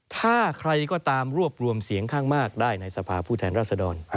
ถ้าใครก็ตามรวบรวมเสียงข้างมากได้ในสภาพผู้แทนรัศดร